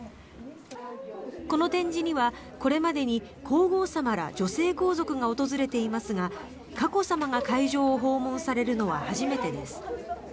この展示にはこれまでに皇后さまら女性皇族が訪れていますが佳子さまが会場を訪問されるのは初めてです。